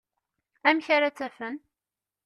Amek ara tt-afen?